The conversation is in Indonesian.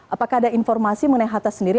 apakah ada informasi mengenai hatta sendiri